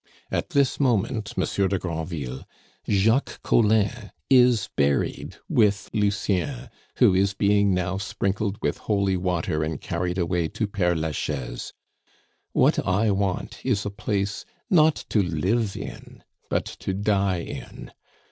"At this moment, Monsieur de Granville, Jacques Collin is buried with Lucien, who is being now sprinkled with holy water and carried away to Pere Lachaise. What I want is a place not to live in, but to die in.